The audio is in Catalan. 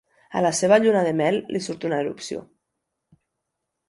A la seva lluna de mel, li surt una erupció.